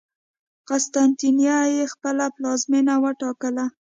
قسطنطنیه یې خپله پلازمېنه وټاکله.